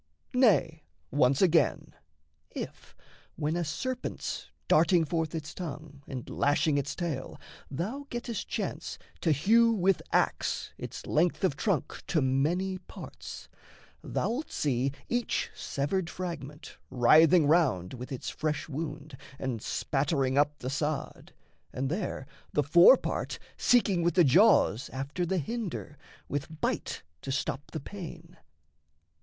Nay, once again: If, when a serpent's darting forth its tongue, And lashing its tail, thou gettest chance to hew With axe its length of trunk to many parts, Thou'lt see each severed fragment writhing round With its fresh wound, and spattering up the sod, And there the fore part seeking with the jaws After the hinder, with bite to stop the pain.